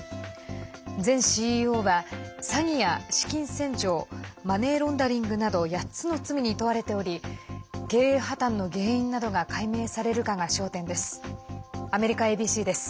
前ＣＥＯは、詐欺や資金洗浄マネーロンダリングなど８つの罪に問われており経営破綻の原因などが解明されるかが焦点です。